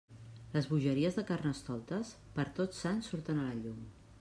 Les bogeries de Carnestoltes, per Tots Sants surten a la llum.